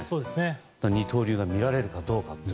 二刀流が見られるかという。